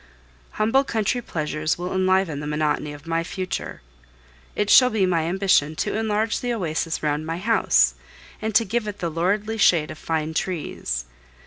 Humble country pleasures will enliven the monotony of my future. It shall be my ambition to enlarge the oasis round my house, and to give it the lordly shade of fine trees.